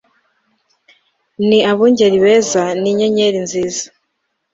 Ni abungeri beza ninyenyeri nziza